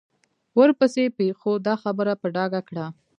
ورپسې پېښو دا خبره په ډاګه کړه.